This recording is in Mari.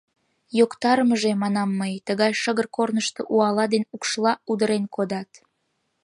— Йоктарымыже... — манам мый, — тыгай шыгыр корнышто уала ден укшла удырен кодат.